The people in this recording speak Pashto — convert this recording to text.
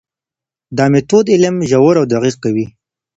دا مېتود علم ژور او دقیق کوي.